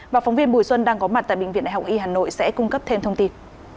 và phóng viên bùi xuân đang có mặt tại bệnh viện đại học y hà nội sẽ cung cấp thêm thông tin